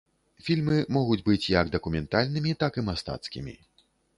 Фільмы могуць быць як дакументальнымі, так і мастацкімі.